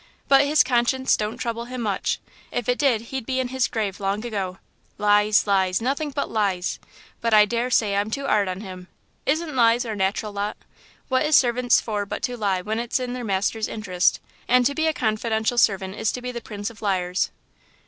But his conscience don't trouble him much; if it did he'd be in his grave long ago. Lies, lies, nothing but lies! But I daresay I'm too 'ard on him; isn't lies our natural lot? What is servants for but to lie when it is in their master's interest, and to be a confidential servant is to be the Prince of liars!"